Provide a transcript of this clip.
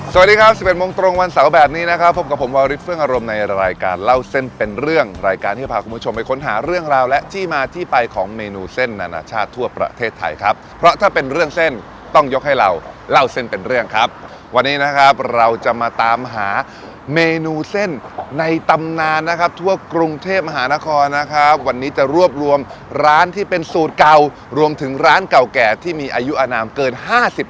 สวัสดีครับ๑๑โมงตรงวันเสาร์แบบนี้นะครับพบกับผมวาวฤทธิ์เฟื่องอารมณ์ในรายการเล่าเส้นเป็นเรื่องรายการที่พาคุณผู้ชมไปค้นหาเรื่องราวและที่มาที่ไปของเมนูเส้นอนาชาติทั่วประเทศไทยครับเพราะถ้าเป็นเรื่องเส้นต้องยกให้เราเล่าเส้นเป็นเรื่องครับวันนี้นะครับเราจะมาตามหาเมนูเส้นในตำนานนะครับทั่วกรุงเทพ